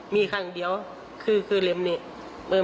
มีครั้งเดี๊ยวขึ้นที่เลี่ยมนี้